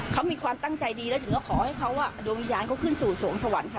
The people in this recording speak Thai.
เขามีความตั้งใจดีแล้วถึงก็ขอให้เขาดวงวิญญาณเขาขึ้นสู่สวงสวรรค์ค่ะ